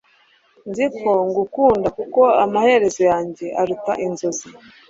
Nzi ko ngukunda kuko amaherezo yanjye aruta inzozi